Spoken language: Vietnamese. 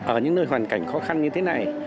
ở những nơi hoàn cảnh khó khăn như thế này